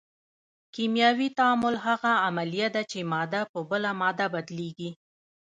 کیمیاوي تعامل هغه عملیه ده چې ماده په بله ماده بدلیږي.